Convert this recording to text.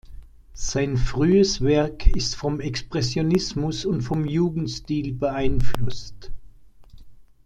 Sein frühes Werk ist vom Expressionismus und vom Jugendstil beeinflusst.